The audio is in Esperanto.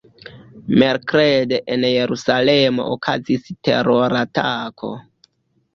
Merkrede en Jerusalemo okazis teroratako.